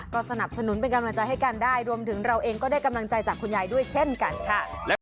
ก็สนับสนุนเป็นกำลังใจให้กันได้รวมถึงเราเองก็ได้กำลังใจจากคุณยายด้วยเช่นกันค่ะ